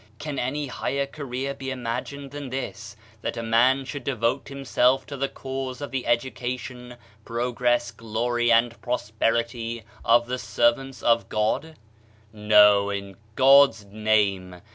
Can any higher career be imag ined than this, that a man should devote himself to the cause of the education, progress, glory and prosperity of the servants of God? No, in God's name!